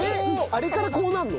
あれからこうなるの？